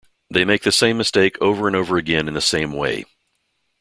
They make the same mistake over and over again in the same way.